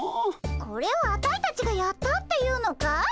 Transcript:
これをアタイたちがやったっていうのかい？